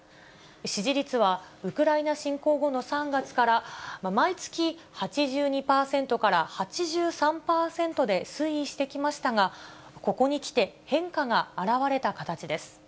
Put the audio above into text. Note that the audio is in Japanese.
支持率は、ウクライナ侵攻後の３月から毎月、８２％から８３％で推移してきましたが、ここに来て変化が表れた形です。